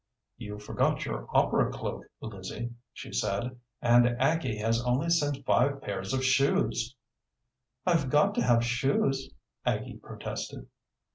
"You forgot your opera cloak, Lizzie," she said, "and Aggie has only sent five pairs of shoes!" "I've got to have shoes," Aggie protested.